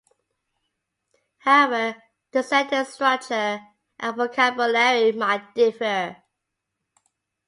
However, the sentence structure and vocabulary might differ.